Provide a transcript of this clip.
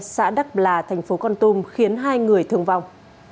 xã đắc là thành phố con tum khiến hai người thương vong